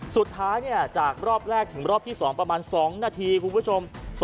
สุดท้ายจากรอบแรกถึงรอบที่๒ประมาณ๒นาทีคุณผู้ชม